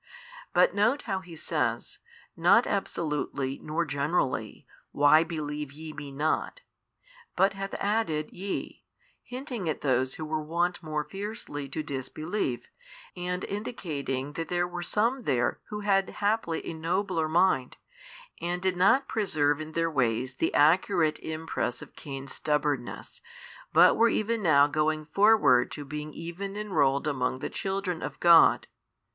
But note how He says, not absolutely nor generally, why believe ye Me not? but hath added YE, hinting at those who were wont more fiercely to disbelieve, and indicating that there were some there who had haply a nobler mind, and did not preserve in their ways the accurate impress of Cain's stubbornness, but were even now going |660 forward to being even enrolled among the children of God.